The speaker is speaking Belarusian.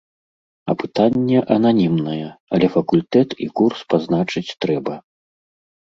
Апытанне ананімнае, але факультэт і курс пазначыць трэба.